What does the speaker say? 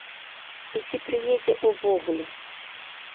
І ці прыедзе ўвогуле.